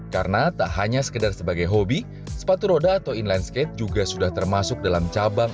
karena tak hanya sekedar sebagai hobi sepatu roda atau inline skate juga sudah termasuk dalam cabang